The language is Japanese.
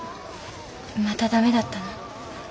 また駄目だったの？